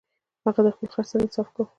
هغه د خپل خر سره انصاف کاوه.